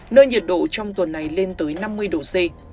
nơi nhiệt độ trong tuần này lên tới năm mươi độ c